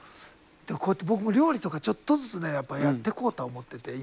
こうやって僕も料理とかちょっとずつねやっぱやってこうとは思ってて今。